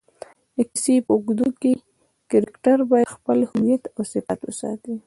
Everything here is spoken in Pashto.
د کیسې په اوږدو کښي کرکټرباید خپل هویت اوصفات وساتي.